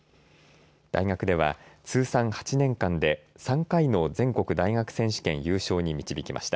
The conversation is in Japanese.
大学では通算８年間で３回の全国大学選手権優勝に導きました。